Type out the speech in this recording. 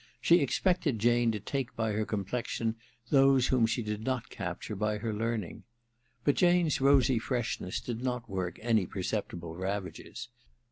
She ex pected Jane to take by her complexion those whom she did not capture by her learning. But Jane's rosy freshness did not work any perceptible ravages.